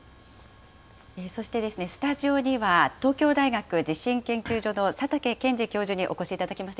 そして、スタジオには東京大学地震研究所の佐竹健治教授にお越しいただきました。